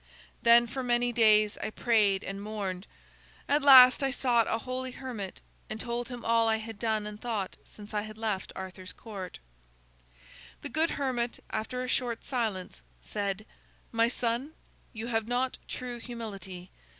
Then for many days I prayed and mourned. At last I sought a holy hermit, and told him all I had done and thought since I had left Arthur's Court. "The good hermit, after a short silence, said: 'My son, you have not true humility.